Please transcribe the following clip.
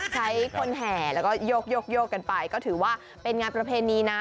ใช้คนแห่แล้วก็โยกกันไปก็ถือว่าเป็นงานประเพณีนะ